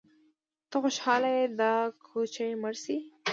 _ته خوشاله يې چې دا کوچۍ مړه شي؟